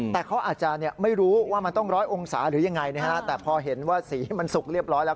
แต่เขาอาจจะไม่รู้ว่ามันต้องร้อยองศาหรือยังไงแต่พอเห็นว่าสีมันสุกเรียบร้อยแล้ว